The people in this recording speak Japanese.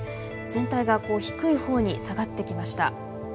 全体がこう低い方に下がってきました。